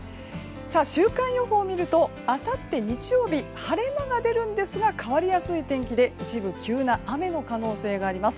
週間予報を見るとあさって日曜日晴れ間が出るんですが変わりやすい天気で一部、急な雨の可能性があります。